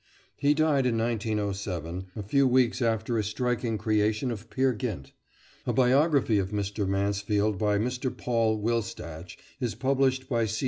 He died in 1907, a few weeks after a striking creation of "Peer Gynt." A biography of Mr. Mansfield by Mr. Paul Wilstach is published by C.